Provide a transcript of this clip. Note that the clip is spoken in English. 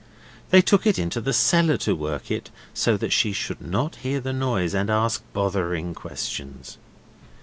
They took it into the cellar to work it, so that she should not hear the noise and ask bothering questions.